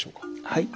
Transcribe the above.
はい。